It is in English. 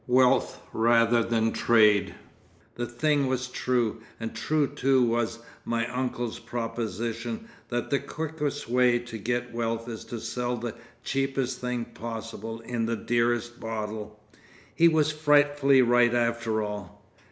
Wealth rather than trade! The thing was true, and true too was my uncle's proposition that the quickest way to get wealth is to sell the cheapest thing possible in the dearest bottle. He was frightfully right after all.